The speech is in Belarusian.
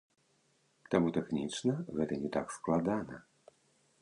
Таму тэхнічна гэта не так складана.